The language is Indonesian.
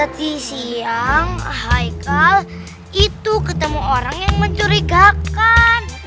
tadi siang haikal itu ketemu orang yang mencurigakan